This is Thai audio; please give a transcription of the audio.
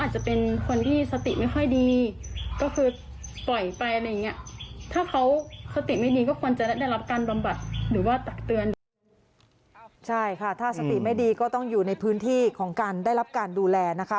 ใช่ค่ะถ้าสติไม่ดีก็ต้องอยู่ในพื้นที่ของการได้รับการดูแลนะคะ